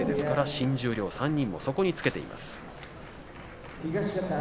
新十両、そこにつけています。